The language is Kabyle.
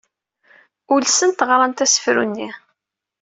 Ulsent ɣrant asefru-nni.